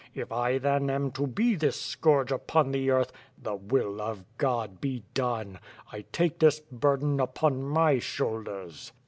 If I, then, am to be this scourage upon the earth — the will of God be done. 1 take this burden upon my shoulders."